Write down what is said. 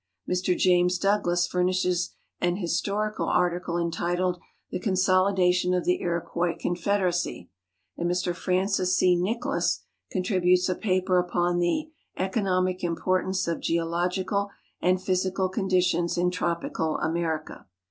Mr James Douglas furnishes an historical article entitled "The Consolidation of the Iroquois Confed eracy," and Mr Francis C. Nicholas contributes a paper upon the " Eco nomic Importance of Geological and Physical Conditions in Tropical America."